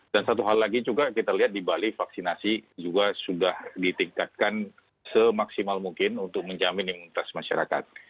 dan satu hal lagi juga kita lihat di bali vaksinasi juga sudah ditingkatkan semaksimal mungkin untuk menjamin imunitas masyarakat